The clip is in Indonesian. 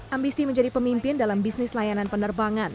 ambisi menjadi pemimpin dalam bisnis layanan penerbangan